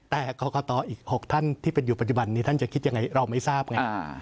แต่กรกตอีก๖ท่านที่เป็นอยู่ปัจจุบันนี้ท่านจะคิดยังไงเราไม่ทราบไง